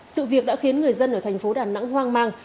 sự việc đã khiến người dân ở thành phố đà nẵng hoang mang